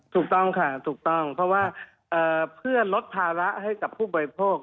ถูกต้องค่ะถูกต้องเพราะว่าเพื่อลดภาระให้กับผู้บริโภค